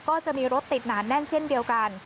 ก็จะมีรถติดหนาแน่นเช่นเดียวกัน